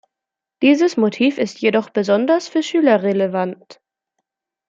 Dieses Motiv ist jedoch besonders für Schüler relevant.